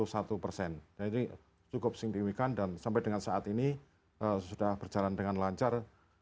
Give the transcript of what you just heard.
jadi cukup singkirkan dan sampai dengan saat ini sudah berjalan dengan lancar